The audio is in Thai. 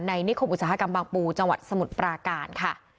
นิคมอุตสาหกรรมบางปูจังหวัดสมุทรปราการค่ะ